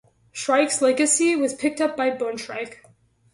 Shrike's legacy was picked up by Boone - Shrike.